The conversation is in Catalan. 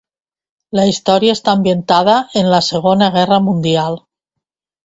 La història està ambientada en la Segona Guerra Mundial.